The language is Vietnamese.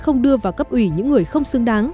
không đưa vào cấp ủy những người không xứng đáng